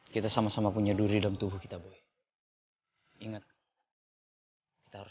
kita sama sama punya diri dan tubuh kita inget kita harus